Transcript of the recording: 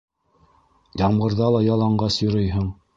- Ямғырҙа ла яланғас йөрөйһөң.